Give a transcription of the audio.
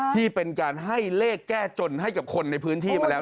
ที่เป็นการให้เลขแก้จนให้กับคนในพื้นที่มาแล้ว